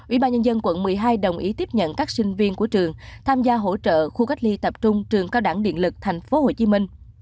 ủy ban nhân dân quận một mươi hai đồng ý tiếp nhận các sinh viên của trường tham gia hỗ trợ khu cách ly tập trung trường cao đẳng điện lực thành phố hồ chí minh